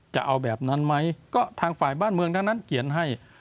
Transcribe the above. จะเอาแบบนั้นไหมก็ทางฝ่ายบ้านเมืองทั้งนั้นเขียนให้